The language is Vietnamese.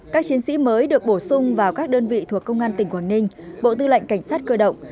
các chiến sĩ mới được bổ sung vào các đơn vị thuộc công an tỉnh quảng ninh bộ tư lệnh cảnh sát cơ động